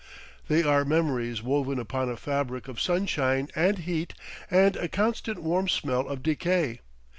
They are memories woven upon a fabric of sunshine and heat and a constant warm smell of decay.